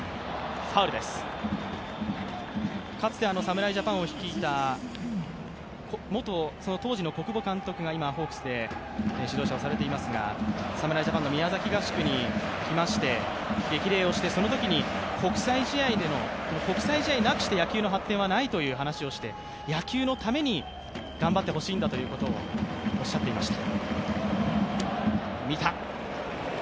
かつて侍ジャパンを率いた当時の小久保監督が今、ホークスで指導者をされていますが、侍ジャパンの宮崎合宿に来まして激励をして、そのときに国際試合なくして野球の発展はないという話をして野球のために頑張ってほしいんだということをおっしゃっていました。